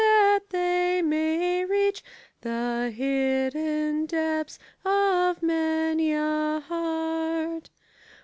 that they may reach The hidden depths of many a heart.